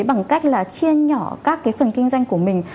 bằng cách là chia nhỏ các cái phần kinh doanh của mình